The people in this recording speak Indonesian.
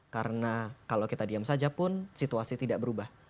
karena kalau kita diam saja pun situasi tidak berubah